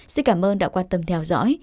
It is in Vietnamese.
xin cảm ơn đã quan tâm theo dõi